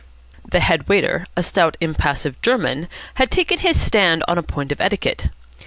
The head waiter, a stout impassive German, had taken his stand on a point of etiquette.